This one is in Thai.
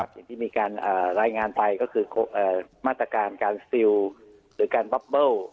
อย่างที่มีการรายงานไปก็คือมาตรการการซิลหรือการบอบเบิ้ล